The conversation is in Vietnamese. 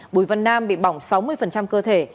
bùi vân nam bị bỏng sáu mươi cơ thể